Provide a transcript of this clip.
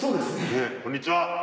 こんにちは。